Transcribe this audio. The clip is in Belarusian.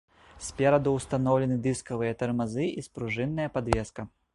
Спераду ўстаноўлены дыскавыя тармазы і спружынная падвеска.